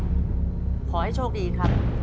ขอให้โชคดีครับ